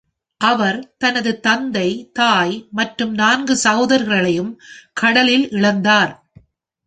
அவர் தனது தந்தை, தாய் மற்றும் நான்கு சகோதரர்களையும் கடலில் இழந்தார்.